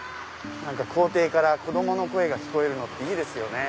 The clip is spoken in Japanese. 校庭から子供の声が聞こえるのいいですよね。